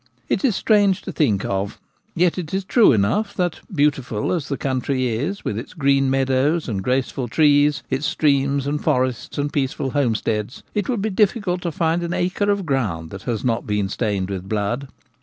It is strange to think of, yet it is true enough, 64 The Gamekeeper at Home. that, beautiful as the country is, with its green meadows and graceful trees, its streams and forests and peaceful homesteads, it would be difficult to find an acre of ground that has not been stained with blood.